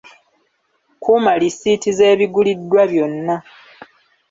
Kuuma lisiiti z’ebiguliddwa byonna.